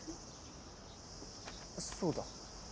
そうだ。